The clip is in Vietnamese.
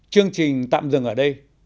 chương trình tạm dừng ở đây